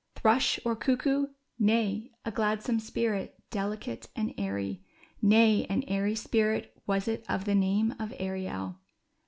Thrush, or cuc koo ? Nay, a gladsome spirit, delicate and airy; Nay, an airy spirit was it of the name of Ariel